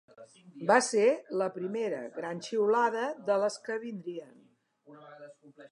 Va ser la primera gran xiulada de les que vindrien.